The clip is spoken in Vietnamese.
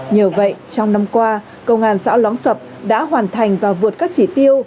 nhờ vậy trong năm qua công an xã lóng sập đã hoàn thành và vượt các chỉ tiêu